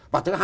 và thứ hai